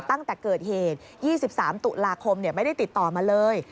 ตั้งแต่เกิดเหตุ๒๓ตุลาคมไม่ได้ติดต่อมาเลย